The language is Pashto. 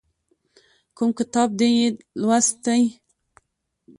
کوم کتاب دې یې لوستی؟